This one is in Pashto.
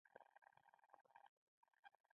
دواړه د توت زړې ونې ته ور وګرځېدل.